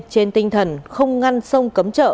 trên tinh thần không ngăn sông cấm trợ